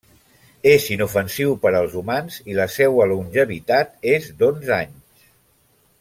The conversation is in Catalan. És inofensiu per als humans i la seua longevitat és d'onze anys.